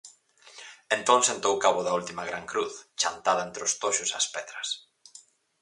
Entón sentou cabo da última gran cruz, chantada entre os toxos e as pedras.